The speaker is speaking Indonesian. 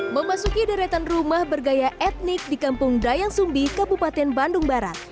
memasuki deretan rumah bergaya etnik di kampung dayang sumbi kabupaten bandung barat